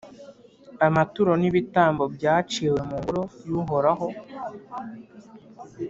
Amaturo n’ibitambo byaciwe mu Ngoro y’Uhoraho,